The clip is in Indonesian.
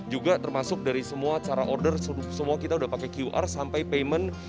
juga termasuk dari semua cara order semua kita sudah pakai qr sampai payment